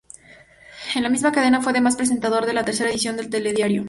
En la misma cadena fue además presentador de la tercera edición del "Telediario".